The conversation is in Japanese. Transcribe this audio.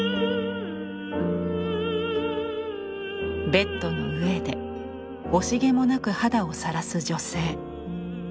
ベッドの上で惜しげもなく肌をさらす女性。